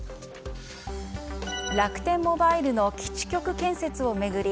楽天モバイルの基地局建設を巡り